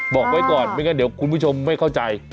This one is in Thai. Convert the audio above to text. บอกไว้ก่อนไม่งั้นเดี๋ยวคุณผู้ชมไม่เข้าใจ